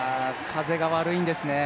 風が悪いんですね。